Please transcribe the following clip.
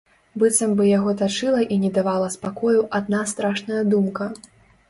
Быццам бы яго тачыла і не давала спакою адна страшная думка.